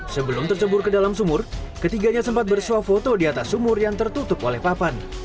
sebelum tercebur ke dalam sumur ketiganya sempat bersuah foto di atas sumur yang tertutup oleh papan